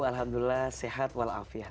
alhamdulillah sehat walafiat